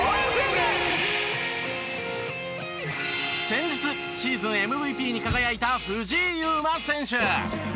先日シーズンＭＶＰに輝いた藤井祐眞選手。